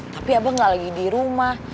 tapi abah gak lagi di rumah